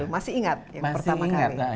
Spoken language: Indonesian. masih ingat yang pertama kali